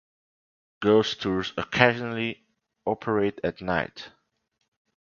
Ghost tours occasionally operate at night.